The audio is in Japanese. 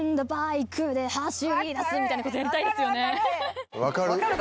みたいなことやりたいですよね。